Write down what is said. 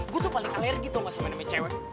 gue tuh paling alergi tau gak sama namanya cewek